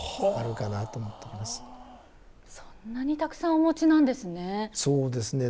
そんなにたくさんお持ちなんですね。